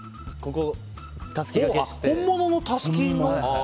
本物のたすきの？